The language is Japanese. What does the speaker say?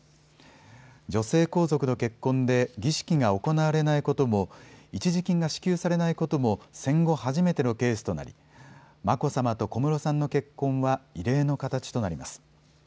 女性皇族の結婚で儀式が行われないことも一時金が支給されないことも戦後初めてのケースとなり眞子さまと小室さんの結婚は異例の形となります。